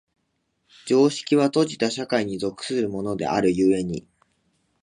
常識は閉じた社会に属するものである故に、